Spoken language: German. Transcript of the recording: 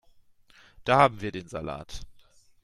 Da haben wir den Salat.